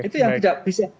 itu yang tidak bisa